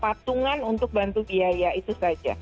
patungan untuk bantu biaya itu saja